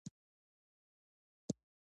شعیب ملک یو ښه بیټسمېن دئ.